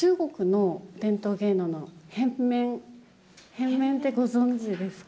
変面ってご存じですか？